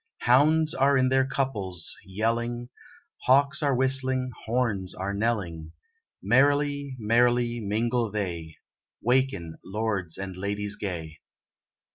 Hounds are in their couples yelling, Hawks are whistling, horns are knelling; Merrily, merrily, mingle they, ' Waken, lords and ladies gay.